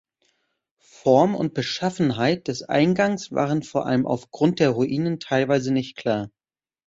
Form und Beschaffenheit des Eingangs waren vor allem aufgrund der Ruinen teilweise nicht klar.